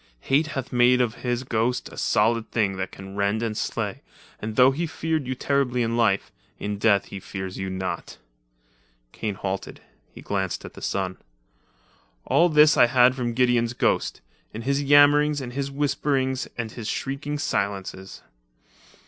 Hate hath made of his ghost, a solid thing that can rend and slay, and though he feared you terribly in life, in death he fears you not at all." Kane halted. He glanced at the sun. "All this I had from Gideon's ghost, in his yammerings and his whisperings and his shrieking silences.